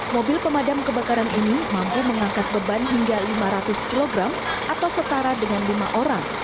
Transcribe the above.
mobil pemadam kebakaran ini mampu mengangkat beban hingga lima ratus kg atau setara dengan lima orang